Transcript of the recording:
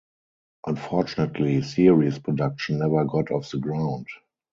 Unfortunately series production never got off the ground.